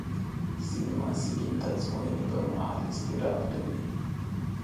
ځینې محصلین د ازموینې پر مهال اضطراب لري.